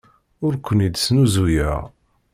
Ur kent-id-snuzuyeɣ.